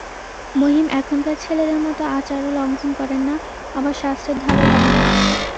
মহিম এখনকার ছেলেদের মতো আচারও লঙ্ঘন করেন না, আবার শাস্ত্রের ধারও ধারেন না।